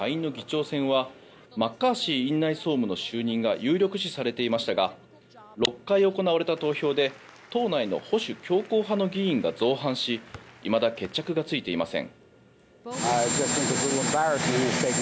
共和党が主導権を握る下院の議長選はマッカーシー院内総務の就任が有力視されていましたが６回行われた投票で党内の保守強硬派の議員が造反しいまだ決着がついていません。